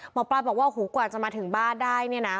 หมอปลาบอกว่าโอ้โหกว่าจะมาถึงบ้านได้เนี่ยนะ